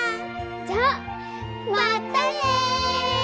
じゃあまたね！